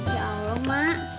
ya allah mak